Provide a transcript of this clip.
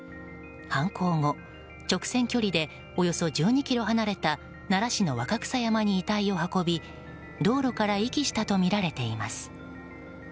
犯行後、直線距離でおよそ１２ｋｍ離れた奈良市の若草山に遺体を運び、道路から遺棄したとみられています。